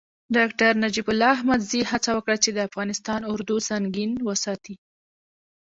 ډاکتر نجیب الله احمدزي هڅه وکړه چې د افغانستان اردو سنګین وساتي.